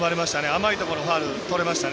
甘いところでファウルとれました。